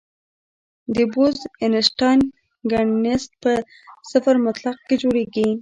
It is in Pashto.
د بوز-اینشټاین کنډنسیټ په صفر مطلق کې جوړېږي.